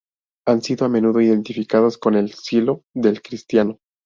Han sido a menudo identificados con el Cielo del cristiano.